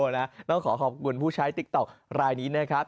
แล้วขอขอบคุณผู้ใช้ติ๊กต็อกไลน์นี้นะครับ